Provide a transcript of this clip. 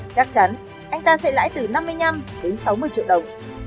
chắc chắn anh ta sẽ lãi từ năm mươi năm đến sáu mươi triệu đồng